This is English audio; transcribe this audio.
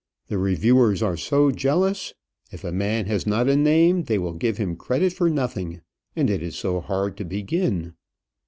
The reviewers are so jealous! if a man has not a name, they will give him credit for nothing; and it is so hard to begin."